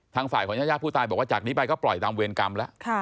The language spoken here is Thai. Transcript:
ทางฝ่ายของญาติผู้ตายบอกว่าจากนี้ไปก็ปล่อยตามเวรกรรมแล้ว